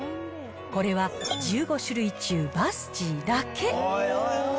これは１５種類中、バスチーだけ。